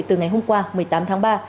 từ ngày hôm qua một mươi tám tháng ba